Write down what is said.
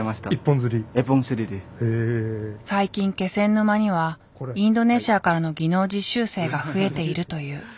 最近気仙沼にはインドネシアからの技能実習生が増えているという。